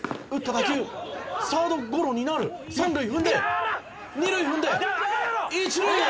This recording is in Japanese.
打球サードゴロになる」「三塁踏んで二塁踏んで一塁へ。